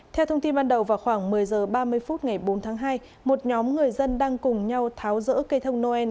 theo thông tin ban đầu vào khoảng một mươi h ba mươi phút ngày bốn tháng hai một nhóm người dân đang cùng nhau tháo rỡ cây thông noel